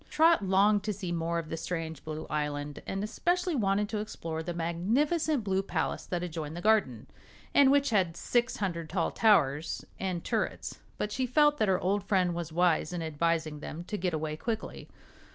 Trot longed to see more of the strange blue island, and especially wanted to explore the magnificent blue palace that adjoined the garden, and which had six hundred tall towers and turrets; but she felt that her old friend was wise in advising them to get away quickly.